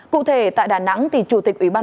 cụ thể tại đà nẵng chủ tịch ubnd thái lan